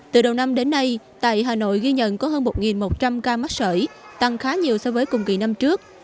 từ đầu năm đến nay tại hà nội ghi nhận có hơn một một trăm linh ca mắc sởi tăng khá nhiều so với cùng kỳ năm trước